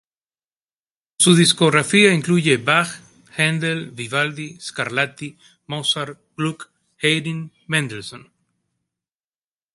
Su discografía incluye Bach, Händel, Vivaldi, Scarlatti, Mozart, Gluck, Haydn, Mendelssohn.